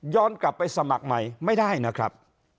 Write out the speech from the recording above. กลับไปสมัครใหม่ไม่ได้นะครับ